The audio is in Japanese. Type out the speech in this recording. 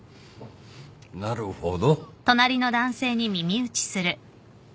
なるほど。